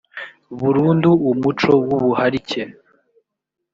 burundu umuco w ubuharike